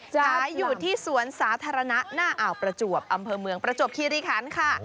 ขายอยู่ที่สวนสาธารณะหน้าอ่าวประจวบอำเภอเมืองประจวบคีริคันค่ะ